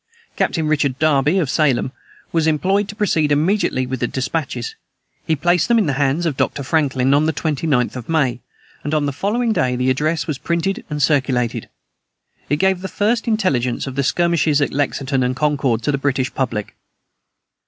Captain Richard Derby, of Salem, was employed to proceed immediately with the despatches. He placed them in the hands of Doctor Franklin on the 29th of May, and on the following day the address was printed and circulated. It gave the first intelligence of the skirmishes at Lexington and Concord, to the British public.